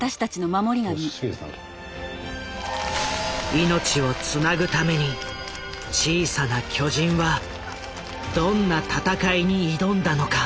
命をつなぐために「小さな巨人」はどんな闘いに挑んだのか。